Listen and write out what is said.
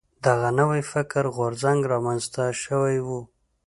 دغه نوی فکري غورځنګ را منځته شوی و.